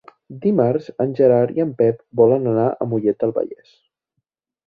Dimarts en Gerard i en Pep volen anar a Mollet del Vallès.